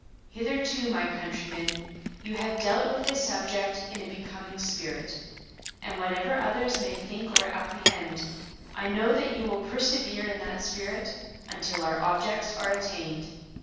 Hitherto, my countrymen, you have dealt with this subject in a becoming spirit, and, whatever others may think or apprehend, I know that you will persevere in that spirit until our objects are attained.